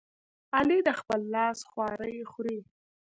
علي د خپل لاس خواري خوري.